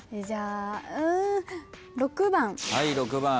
じゃあうん６番。